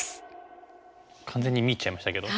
完全に見入っちゃいましたけど。